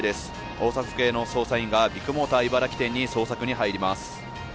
大阪府警の捜査員が、ビッグモーター茨城店に捜索に入ります。